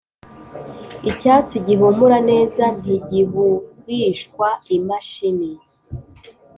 Icyatsi gihumura neza ntigihurishwa imashini,